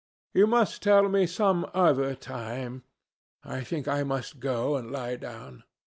You must tell me some other time. I think I must go and lie down.